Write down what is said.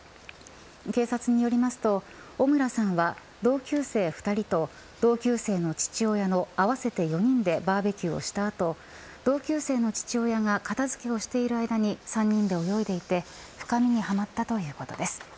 警察によりますと、尾村さんは同級生２人と同級生の父親の合わせて４人でバーベキューをした後同級生の父親が片付けをしている間に３人で泳いで行って深みにはまったということです。